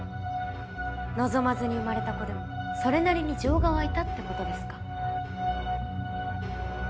望まずに生まれた子でもそれなりに情が湧いたってことですか。